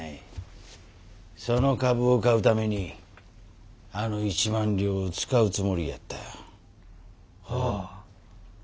その株を買うためにあの一万両を使うつもりやった。はあ。